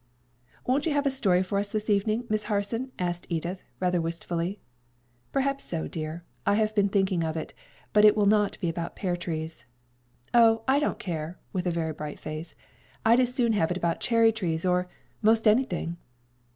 "Won't you have a story for us this evening, Miss Harson?" asked Edith, rather wistfully. "Perhaps so, dear I have been thinking of it but it will not be about pear trees." "Oh, I don't care," with a very bright face; "I'd as soon have it about cherry trees, or 'Most anything!"